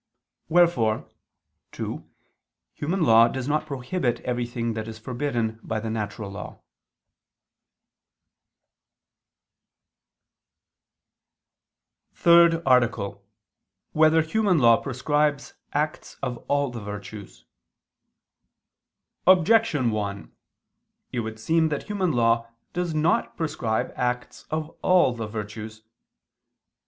Wherefore, too, human law does not prohibit everything that is forbidden by the natural law. ________________________ THIRD ARTICLE [I II, Q. 96, Art. 3] Whether Human Law Prescribes Acts of All the Virtues? Objection 1: It would seem that human law does not prescribe acts of all the virtues.